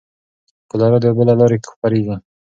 کولرا د اوبو له لارې خپرېږي.